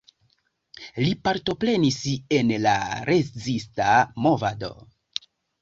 Li partoprenis en la rezista movado.